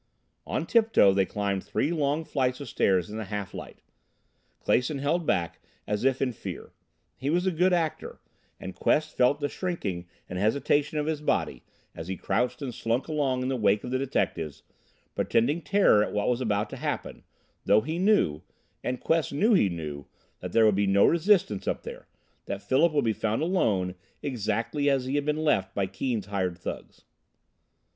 On tiptoe they climbed three long flights of stairs in the half light. Clason held back as if in fear. He was a good actor, and Quest felt the shrinking and hesitation of his body as he crouched and slunk along in the wake of the detectives, pretending terror at what was about to happen, though he knew and Quest knew he knew that there would be no resistance up there that Philip would be found alone exactly as he had been left by Keane's hired thugs.